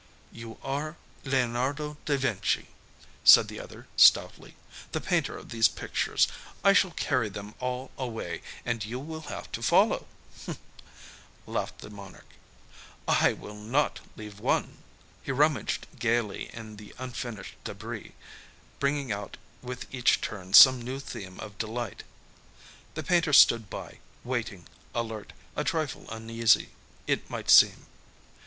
"You are Leonardo da Vinci," said the other stoutly, "the painter of these pictures. I shall carry them all away, and you will have to follow," laughed the monarch. "I will not leave one." He rummaged gayly in the unfinished débris, bringing out with each turn some new theme of delight. The painter stood by, waiting, alert, a trifle uneasy, it might seem.